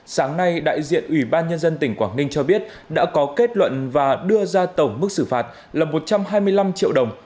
sáng nay đại diện ủy ban nhân dân tỉnh quảng ninh cho biết đã có kết luận và đưa ra tổng mức xử phạt là một trăm hai mươi năm triệu đồng